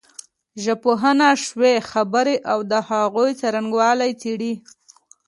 ژبپوهنه شوې خبرې او د هغوی څرنګوالی څېړي